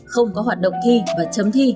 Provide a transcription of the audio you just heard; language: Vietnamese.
không có hoạt động thi và chấm thi